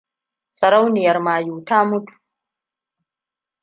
Sarauniyar mayu ta mutu.